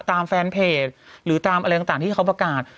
แฟนเพจหรือตามอะไรต่างที่เขาประกาศ